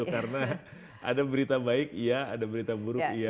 karena ada berita baik iya ada berita buruk iya